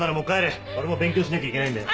俺も勉強しなきゃいけないんだよ。